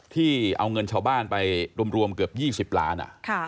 ที่เอาเงินชาวบ้านไปรวมเกือบ๒๐ล้าน